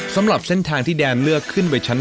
สำหรับเส้นทางที่แดนเลือกขึ้นไปชั้น๒